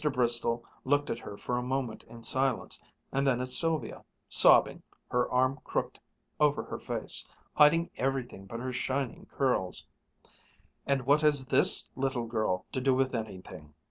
Bristol looked at her for a moment in silence, and then at Sylvia, sobbing, her arm crooked over her face, hiding everything but her shining curls. "And what has this little girl to do with anything?"